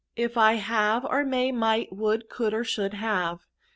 If I have, or may, might, would, could, or should, have.